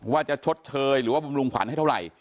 ว่าจะชดเชยหรือว่าบำรุงขวัญให้เท่าไหร่